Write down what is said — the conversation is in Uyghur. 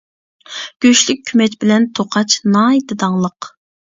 گۆشلۈك كۆمەچ بىلەن توقاچ ناھايىتى داڭلىق.